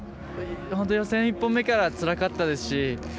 本当に予選１本目からつらかったですし